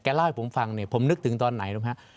แกเล่าให้ผมฟังเนี่ยผมนึกถึงตอนไหนนะครับ